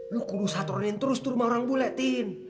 lu kudusatronin terus itu rumah orang bule tin